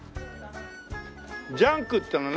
ジャンクっていうのは何？